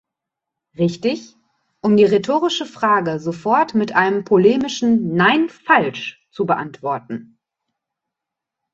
Richtig?", um die rhetorische Frage sofort mit einem polemischen "Nein, falsch!" zu beantworten.